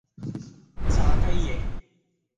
炸雞翼